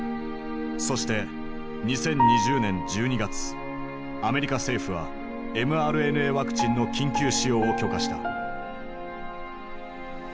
そしてアメリカ政府はｍＲＮＡワクチンの緊急使用を許可した。